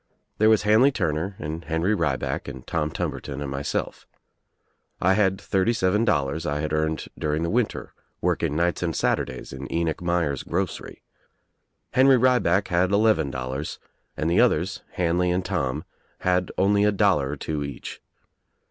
There was Hanley Turner and Henry Rieback and Tom Tumberton and myself, I had thirty seven dol lars I bad earned during the winter working nights and Saturdays In Enoch Myer's grocery. Henry Rie back had eleven dollars and the others, Hanley and Tom had only a dollar or two each.